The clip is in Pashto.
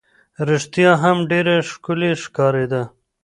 رښتیا هم ډېره ښکلې ښکارېده.